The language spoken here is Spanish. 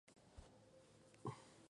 Su sustituto fue Kenny Robertson.